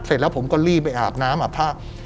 เสร็จแล้วผมก็รีบไปอาบน้ำอาบผ้า